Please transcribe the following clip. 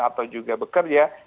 atau juga bekerja